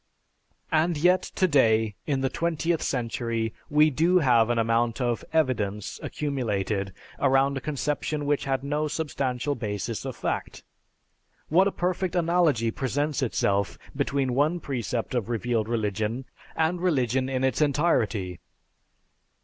And yet today, in the twentieth century, we do have an amount of "evidence" accumulated around a conception which had no substantial basis of fact. What a perfect analogy presents itself between one precept of revealed religion and religion in its entirety.